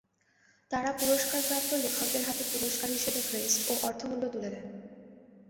তাঁরা পুরস্কারপ্রাপ্ত লেখকদের হাতে পুরস্কার হিসেবে ক্রেস্ট ও অর্থমূল্য তুলে দেন।